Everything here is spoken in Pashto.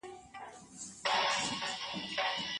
یوه سړي ورباندي نوم لیکلی